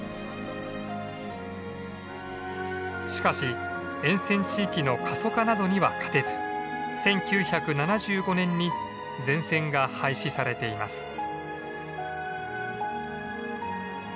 しかし沿線地域の過疎化などには勝てず１９７５年に全線が廃止されています。